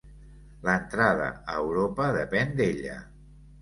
L'entrada a Europa depèn d'ella.